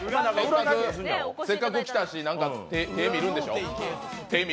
せっかく来たし、手見るんでしょ？